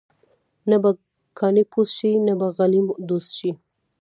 نه به کاڼې پوست شي، نه به غلیم دوست شي.